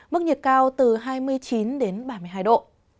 mức nhiệt cao từ hai mươi chín đến ba mươi hai độ